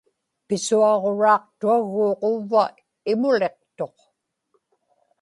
pisuaġuraaqtuagguuq uvva imuliqtuq